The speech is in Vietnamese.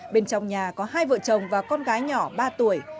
bên trong nhà có hai vợ chồng và con gái nhỏ ba tuổi